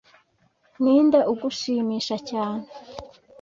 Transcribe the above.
Ni nde ugushimisha cyane